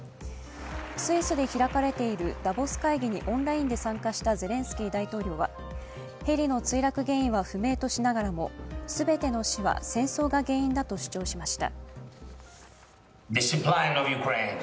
スイスで開かれているダボス会議にオンラインで参加したゼレンスキー大統領はヘリの墜落原因は不明としながらも全ての死は戦争が原因だと主張しました。